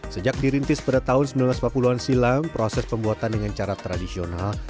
sejak dirintis pada tahun seribu sembilan ratus empat puluh an silam proses pembuatan dengan cara tradisional